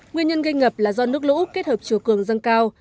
nguyên nhân gây ngập là do nước lũ kết hợp triều cường dân cao